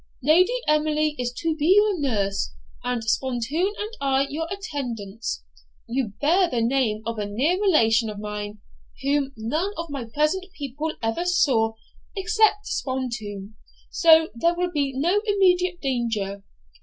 Lady Emily is to be your nurse, and Spontoon and I your attendants. You bear the name of a near relation of mine, whom none of my present people ever saw, except Spontoon, so there will be no immediate danger.